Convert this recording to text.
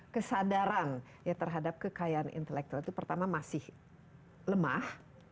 kesadaran ya terhadap kekayaan intelektual itu pertama masih lemah